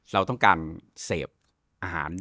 เราต้องการเสพอาหาร